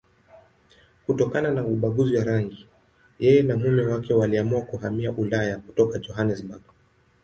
Kutokana na ubaguzi wa rangi, yeye na mume wake waliamua kuhamia Ulaya kutoka Johannesburg.